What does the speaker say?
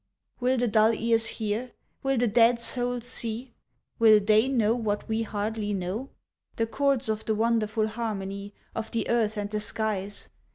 Will the dull ears hear, will the dead souls see? Will they know what we hardly know? The chords of the wonderful harmony Of the earth and the skies?